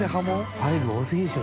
ファイル多過ぎですよ